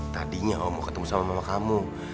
tadinya om mau ketemu sama mama kamu